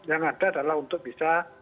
yang ada adalah untuk bisa